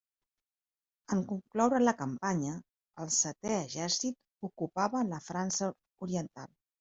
En concloure la campanya, el Setè Exèrcit ocupava la França Oriental.